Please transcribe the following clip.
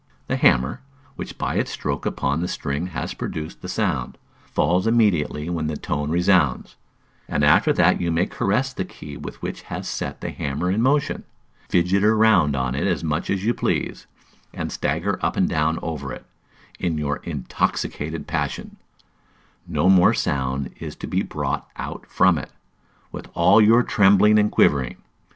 The hammer, which by its stroke upon the string has produced the sound, falls immediately when the tone resounds; and after that you may caress the key which has set the hammer in motion, fidget round on it as much as you please, and stagger up and down over it, in your intoxicated passion, no more sound is to be brought out from it, with all your trembling and quivering.